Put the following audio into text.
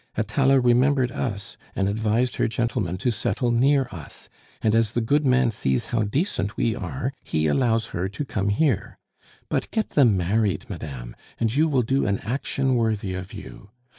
"Atala remembered us, and advised her gentleman to settle near us; and as the good man sees how decent we are, he allows her to come here. But get them married, madame, and you will do an action worthy of you.